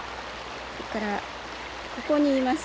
それからここにいます